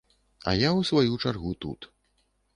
А я ў сваю чаргу тут.